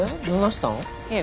え？